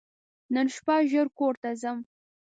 نن شپه ژر کور ته ځم !